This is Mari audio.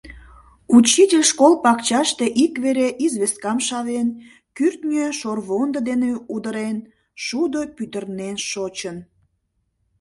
— Учитель школ пакчаште ик вере известкам шавен, кӱртньӧ шорвондо дене удырен — шудо пӱтырнен шочын!